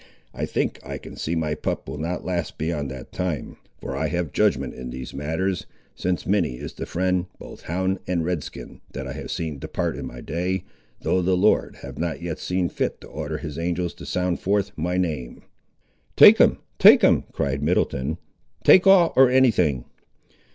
I think I can see my pup will not last beyond that time, for I have judgment in these matters, since many is the friend, both hound and Red skin, that I have seen depart in my day, though the Lord hath not yet seen fit to order his angels to sound forth my name." "Take him, take him," cried Middleton; "take all, or any thing!"